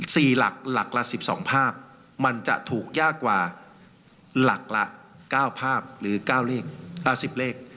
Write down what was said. หลักหลักละสิบสองภาพมันจะถูกยากกว่าหลักละเก้าภาพหรือเก้าเลขเก้าสิบเลข